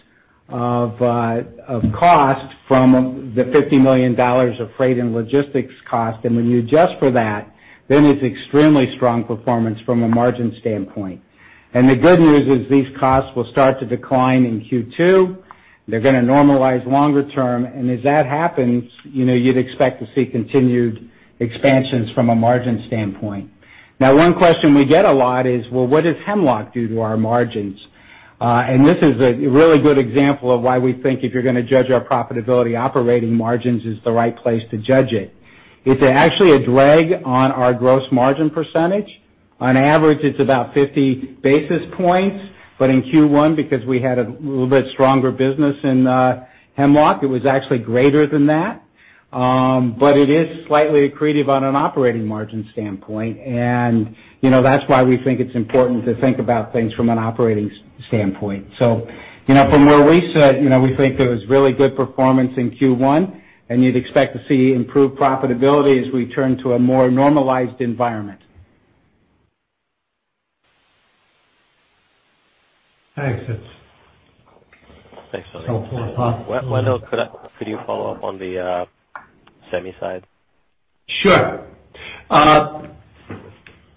of cost from the $50 million of freight and logistics cost. When you adjust for that, it's extremely strong performance from a margin standpoint. The good news is these costs will start to decline in Q2. They're going to normalize longer term, and as that happens, you'd expect to see continued expansions from a margin standpoint. Now, one question we get a lot is, well, what does Hemlock do to our margins? This is a really good example of why we think if you're going to judge our profitability, operating margins is the right place to judge it. It's actually a drag on our gross margin percentage. On average, it's about 50 basis points. In Q1, because we had a little bit stronger business in Hemlock, it was actually greater than that. It is slightly accretive on an operating margin standpoint, and that's why we think it's important to think about things from an operating standpoint. From where we sit, we think it was really good performance in Q1, and you'd expect to see improved profitability as we turn to a more normalized environment. Thanks. Thanks, Tony Helpful. Wendell, could you follow up on the semi side? Sure.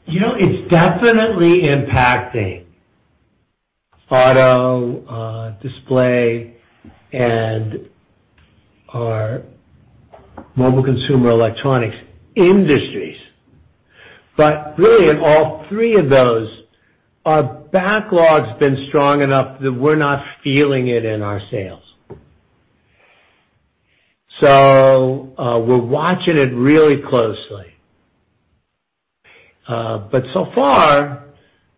It's definitely impacting auto, display, and our mobile consumer electronics industries. Really, in all three of those, our backlog's been strong enough that we're not feeling it in our sales. We're watching it really closely. So far,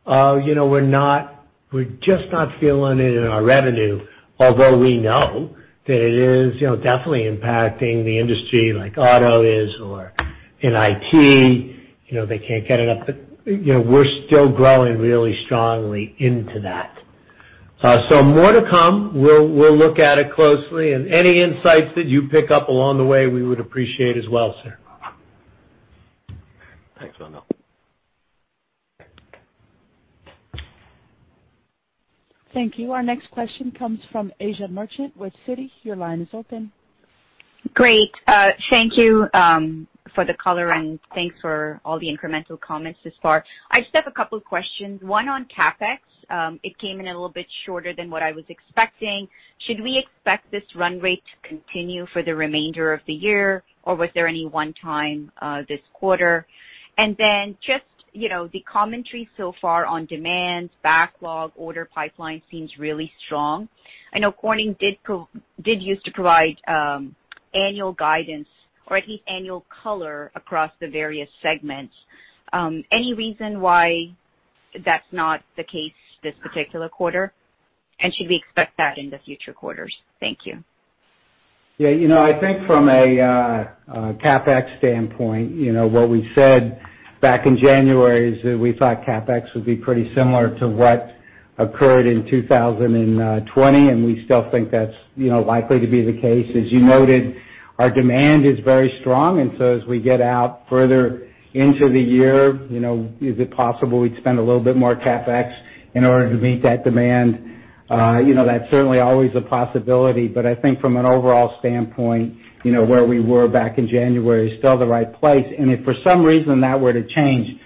we're just not feeling it in our revenue, although we know that it is definitely impacting the industry like auto is or in IT. They can't get enough, but we're still growing really strongly into that. More to come. We'll look at it closely, and any insights that you pick up along the way, we would appreciate as well, sir. Thanks, Wendell. Thank you. Our next question comes from Asiya Merchant with Citi. Your line is open. Great. Thank you for the color, and thanks for all the incremental comments thus far. I just have a couple questions, one on CapEx. It came in a little bit shorter than what I was expecting. Should we expect this run rate to continue for the remainder of the year, or was there any one time this quarter? Just the commentary so far on demands, backlog, order pipeline seems really strong. I know Corning did used to provide annual guidance or at least annual color across the various segments. Any reason why that's not the case this particular quarter? Should we expect that in the future quarters? Thank you. I think from a CapEx standpoint, what we said back in January is that we thought CapEx would be pretty similar to what occurred in 2020, and we still think that's likely to be the case. As you noted, our demand is very strong, and so as we get out further into the year, is it possible we'd spend a little bit more CapEx in order to meet that demand? That's certainly always a possibility. I think from an overall standpoint, where we were back in January is still the right place. If for some reason that were to change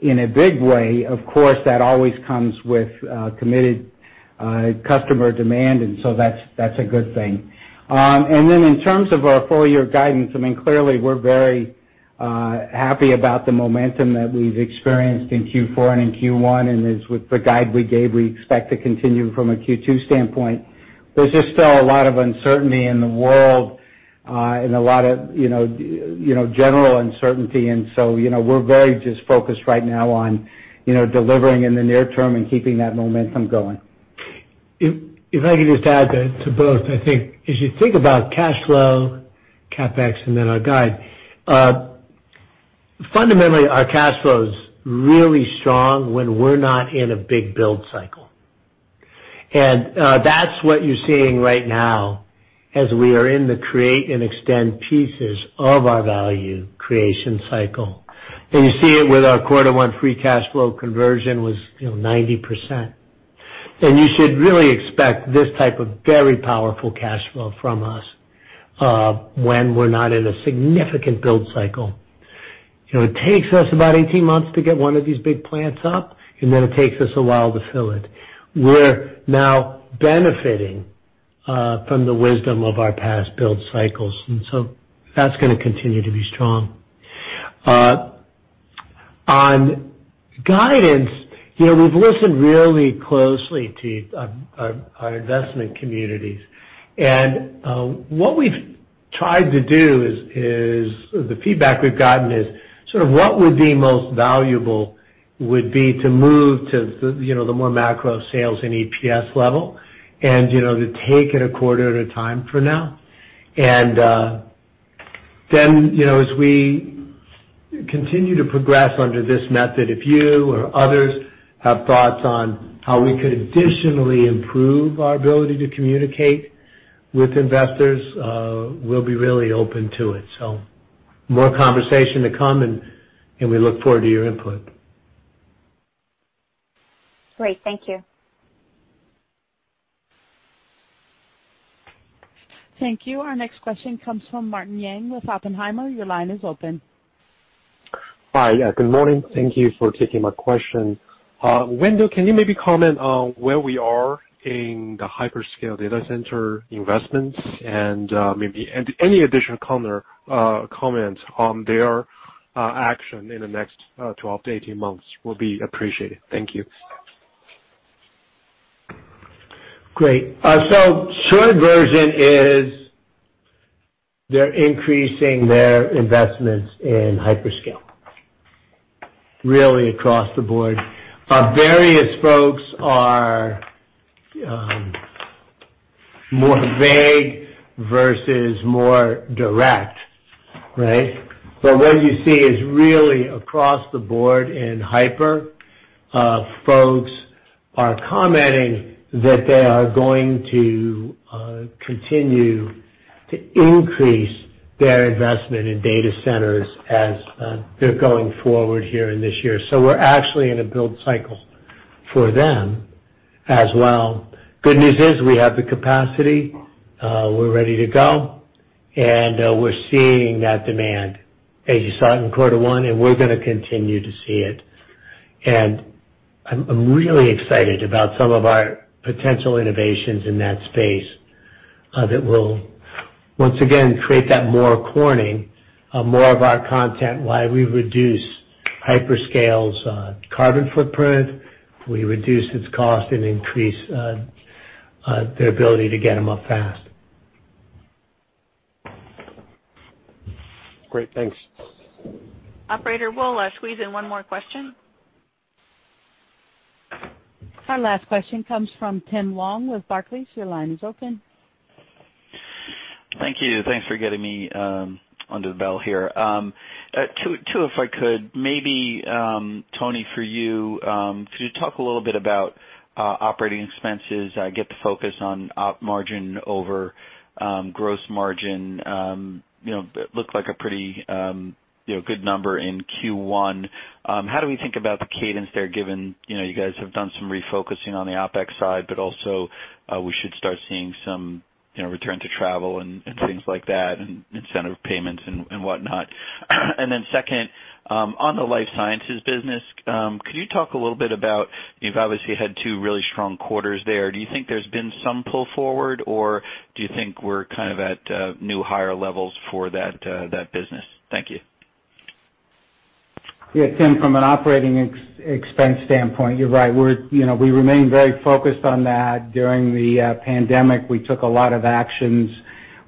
in a big way, of course, that always comes with committed customer demand, and so that's a good thing. In terms of our full-year guidance, clearly we're very happy about the momentum that we've experienced in Q4 and in Q1, and as with the guide we gave, we expect to continue from a Q2 standpoint. There's just still a lot of uncertainty in the world, and a lot of general uncertainty, we're very just focused right now on delivering in the near term and keeping that momentum going. If I could just add to both. I think as you think about cash flow, CapEx, and then our guide, fundamentally, our cash flow is really strong when we're not in a big build cycle. That's what you're seeing right now as we are in the create and extend pieces of our value creation cycle. You see it with our quarter one free cash flow conversion was 90%. You should really expect this type of very powerful cash flow from us, when we're not in a significant build cycle. It takes us about 18 months to get one of these big plants up, and then it takes us a while to fill it. We're now benefiting from the wisdom of our past build cycles, and so that's going to continue to be strong. On guidance, we've listened really closely to our investment communities. What we've tried to do is, the feedback we've gotten is, what would be most valuable would be to move to the more macro sales and EPS level and to take it a quarter at a time for now. Then, as we continue to progress under this method, if you or others have thoughts on how we could additionally improve our ability to communicate with investors, we'll be really open to it. More conversation to come, and we look forward to your input. Great. Thank you. Thank you. Our next question comes from Martin Yang with Oppenheimer. Your line is open. Hi. Good morning. Thank you for taking my question. Wendell, can you maybe comment on where we are in the hyperscale data center investments and maybe any additional comments on their action in the next 12-18 months will be appreciated. Thank you. Great. Short version is they're increasing their investments in hyperscale, really across the board. Various folks are more vague versus more direct. Right. What you see is really across the board in hyper, folks are commenting that they are going to continue to increase their investment in data centers as they're going forward here in this year. We're actually in a build cycle for them as well. Good news is we have the capacity. We're ready to go, and we're seeing that demand as you saw it in quarter one, and we're going to continue to see it. I'm really excited about some of our potential innovations in that space, that will once again create that more Corning, more of our content, while we reduce hyperscale's carbon footprint, we reduce its cost and increase their ability to get them up fast. Great, thanks. Operator, we'll squeeze in one more question. Our last question comes from Tim Long with Barclays. Your line is open. Thank you. Thanks for getting me on to bell here. Two, if I could, maybe, Tony, for you, could you talk a little bit about operating expenses? I get the focus on op margin over gross margin. It looked like a pretty good number in Q1. How do we think about the cadence there, given you guys have done some refocusing on the OpEx side, but also we should start seeing some return to travel and things like that, and incentive payments and whatnot. Second, on the life sciences business, could you talk a little bit about, you've obviously had two really strong quarters there. Do you think there's been some pull forward, or do you think we're kind of at new, higher levels for that business? Thank you. Yeah, Tim, from an operating expense standpoint, you're right. We remain very focused on that. During the pandemic, we took a lot of actions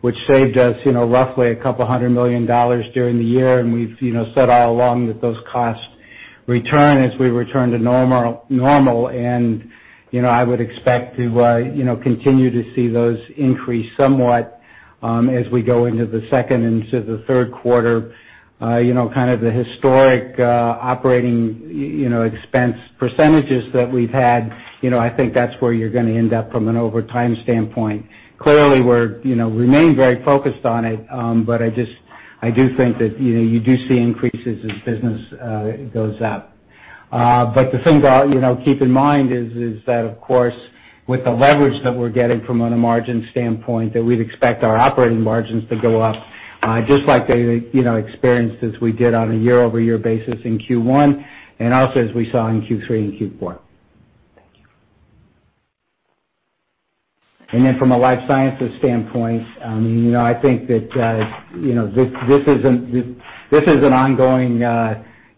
which saved us roughly a couple $100 million during the year, and we've said all along that those costs return as we return to normal, and I would expect to continue to see those increase somewhat as we go into the second and to the third quarter. Kind of the historic operating expense percentages that we've had, I think that's where you're going to end up from an over time standpoint. Clearly we remain very focused on it, but I do think that you do see increases as business goes up. The thing to keep in mind is that, of course, with the leverage that we're getting from on a margin standpoint, that we'd expect our operating margins to go up just like the experiences we did on a year-over-year basis in Q1, and also as we saw in Q3 and Q4. Thank you. From a life sciences standpoint, I think that this is an ongoing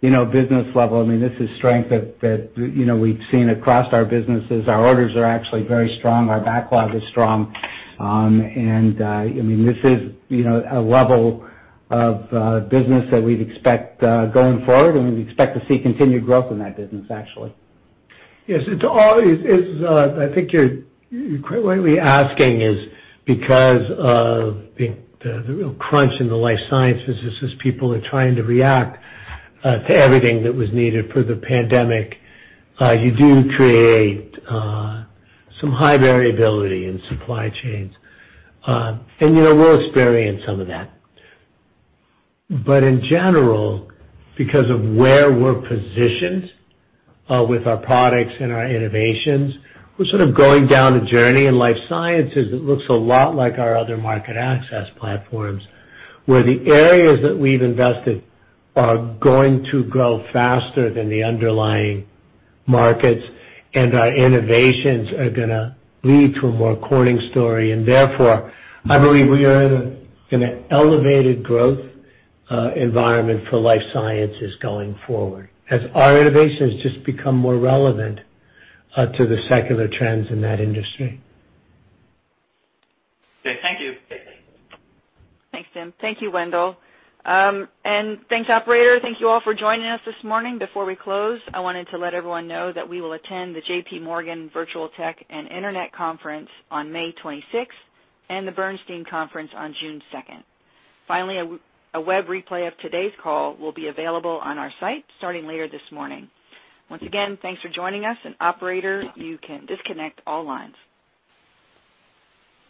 business level. This is strength that we've seen across our businesses. Our orders are actually very strong. Our backlog is strong. This is a level of business that we'd expect going forward, and we expect to see continued growth in that business, actually. Yes. I think what you're rightly asking is because of the real crunch in the life sciences is just people are trying to react to everything that was needed for the pandemic. You do create some high variability in supply chains, and we'll experience some of that. In general, because of where we're positioned with our products and our innovations, we're sort of going down a journey in life sciences that looks a lot like our other market access platforms, where the areas that we've invested are going to grow faster than the underlying markets, and our innovations are going to lead to a more Corning story. Therefore, I believe we are in an elevated growth environment for life sciences going forward, as our innovations just become more relevant to the secular trends in that industry. Okay, thank you. Thanks, Tim. Thank you, Wendell. Thanks, operator. Thank you all for joining us this morning. Before we close, I wanted to let everyone know that we will attend the J.P. Morgan Virtual Tech and Internet Conference on May 26th and the Bernstein Conference on June 2nd. A web replay of today's call will be available on our site starting later this morning. Thanks for joining us, and operator, you can disconnect all lines.